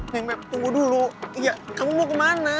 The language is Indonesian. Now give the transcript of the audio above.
neng mep tunggu dulu iya kamu mau kemana